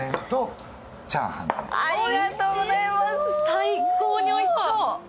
最高においしそう！